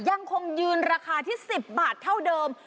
ยังคงยืนราคาที่๑๐บาทเท่าเดิม